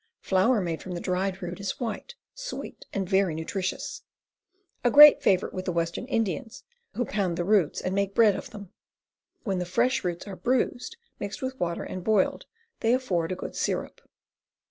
Flour made from the dried root is white, sweet, and very nutritious. A great favorite with the western Indians, who pound the roots and make bread of them. When the fresh roots are bruised, mixed with water, and boiled, they afford a good syrup.